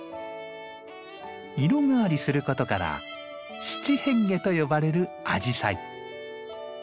色変わりすることから「七変化」と呼ばれるアジサイ。